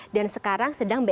dan sekarang sedangkan